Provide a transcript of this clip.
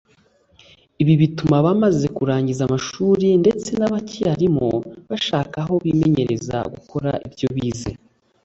Ibi bituma abamaze kurangiza amashuri ndetse n’abakiyarimo bashaka aho bimenyereza gukora ibyo bize